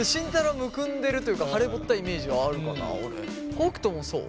北斗もそう？